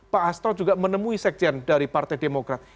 pak astro juga menemui sekjen dari partai demokrat